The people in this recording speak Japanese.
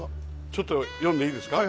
ちょっと読んでいいですか？